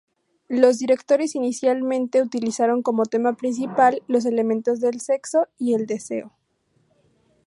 Los directores inicialmente utilizaron como tema principal los elementos del sexo y el deseo.